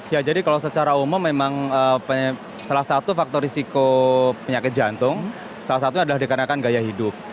ya jadi kalau secara umum memang salah satu faktor risiko penyakit jantung salah satunya adalah dikarenakan gaya hidup